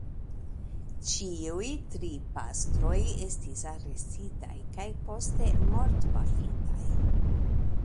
Ĉiuj tri pastroj estis arestitaj kaj poste mortpafitaj.